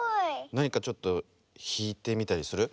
なにかちょっとひいてみたりする？